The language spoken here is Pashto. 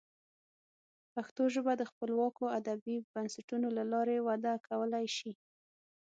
پښتو ژبه د خپلواکو ادبي بنسټونو له لارې وده کولی شي.